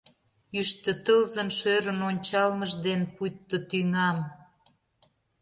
Йӱштӧ тылзын шӧрын ончалмыж ден пуйто тӱҥам.